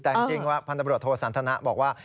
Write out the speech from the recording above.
แต่จริงว่าพันธบรวจโทสันทนะบอกว่า